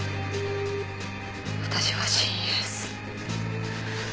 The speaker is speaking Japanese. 私はシン・エース。